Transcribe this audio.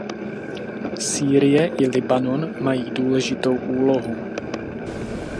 Sýrie i Libanon mají důležitou úlohu.